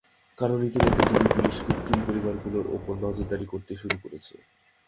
কারণ ইতিমধ্যেই DB police victim পরিবারগুলোর ওপর নজরদারি করতে শুরু করেছে।